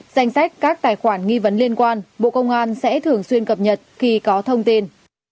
danh sách các tài khoản nghi vấn liên quan bộ công an sẽ thường xuyên cập nhật khi có thông tin